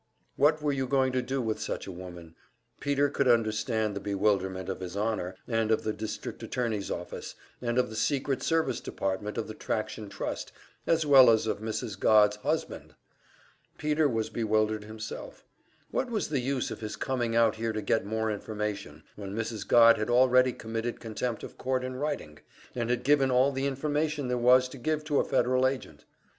What were you going to do with such a woman? Peter could understand the bewilderment of His Honor, and of the district attorney's office, and of the secret service department of the Traction Trust as well as of Mrs. Godd's husband! Peter was bewildered himself; what was the use of his coming out here to get more information, when Mrs. Godd had already committed contempt of court in writing, and had given all the information there was to give to a Federal agent?